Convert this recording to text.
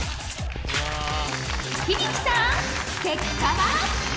響さん結果は。